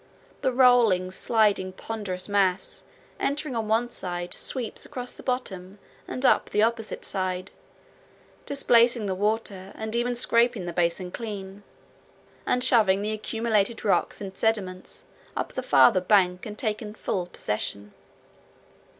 The rolling, sliding, ponderous mass entering on one side sweeps across the bottom and up the opposite side, displacing the water and even scraping the basin clean, and shoving the accumulated rocks and sediments up the farther bank and taking full possession.